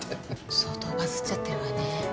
相当バズっちゃってるわね。